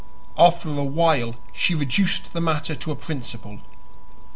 After a while she reduced the matter to a principle.